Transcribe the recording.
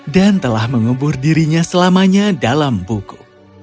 dan telah mengembur dirinya selamanya dalam buku